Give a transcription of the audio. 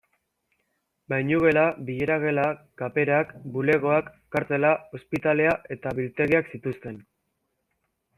Bainugela, bilera-gela, kaperak, bulegoak, kartzela, ospitalea eta biltegiak zituzten.